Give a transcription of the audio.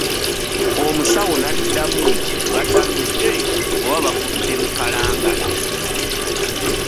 Omusawo n'addamu nti batamidde oba baguddemu kalangala!